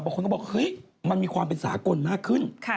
คนก็บอกเฮ้ยมันมีความเป็นสากลมากขึ้น